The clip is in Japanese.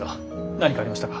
何かありましたか？